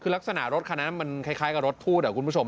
ลักษณะนี้คล้ายกับรถภูต